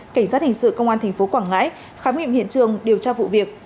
cảnh sát hình sự công an tp quảng ngãi khám nghiệm hiện trường điều tra vụ việc